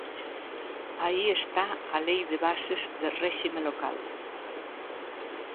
Aí está a Lei de bases de réxime local.